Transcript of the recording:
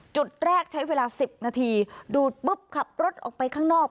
จุดแรกใช้เวลา๑๐นาทีดูดปุ๊บขับรถออกไปข้างนอก